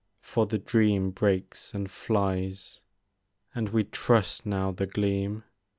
For the dream breaks and flies ; And we trust now the gleam.